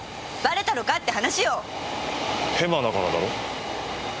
ヘマだからだろ？